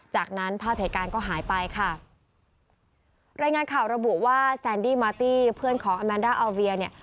จากนั้นภาพเหตุการณ์ก็หายไปค่ะรายงานข่าวระบุว่าแซนดี้มาร์ตี้เพื่อนของอาแมนด้าอาเวียเนี่ย